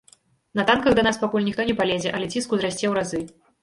На танках да нас пакуль ніхто не палезе, але ціск узрасце ў разы.